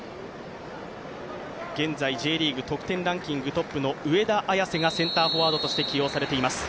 現在Ｊリーグ得点トップの上田綺世がセンターフォワードとして起用されています。